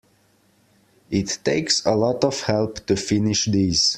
It takes a lot of help to finish these.